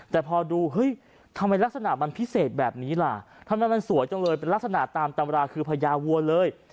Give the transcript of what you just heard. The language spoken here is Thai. แต่พอดูเฮ้ยทำไมลักษณะมันพิเศษแบบนี้ล่ะทำไมมันสวยจังเลยเป็นลักษณะตามตำราคือพญาวัวเลย